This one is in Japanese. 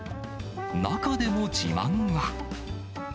中でも自慢は。